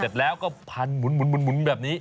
เสร็จแล้วก็พันหมุนแบบนี้